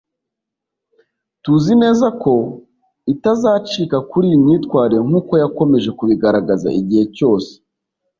tuzi neza ko itazacika kuri iyi myitwarire nkuko yakomeje kubigaragaza igihe cyose